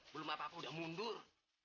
belum apa apa udah mundur